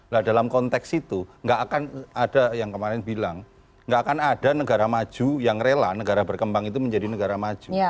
nah dalam konteks itu nggak akan ada yang kemarin bilang nggak akan ada negara maju yang rela negara berkembang itu menjadi negara maju